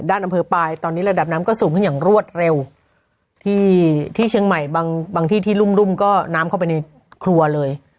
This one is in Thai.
อำเภอปลายตอนนี้ระดับน้ำก็สูงขึ้นอย่างรวดเร็วที่ที่เชียงใหม่บางบางที่ที่รุ่มรุ่มก็น้ำเข้าไปในครัวเลย